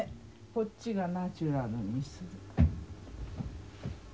こっちがナチュラルに。